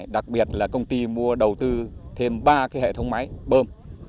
đặc biệt là công ty mua đầu tư thêm ba hệ thống máy bơm